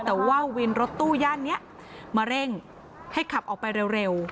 แต่ว่าวินรถตู้ย่านนี้มาเร่งให้ขับออกไปเร็ว